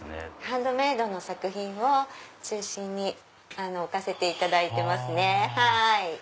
ハンドメイドの作品を中心に置かせていただいてますね。